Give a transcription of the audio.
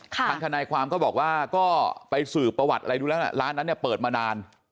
ทางทนายความก็บอกว่าก็ไปสืบประวัติอะไรดูแล้วร้านนั้นเนี่ยเปิดมานาน